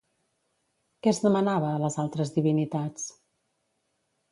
Què es demanava a les altres divinitats?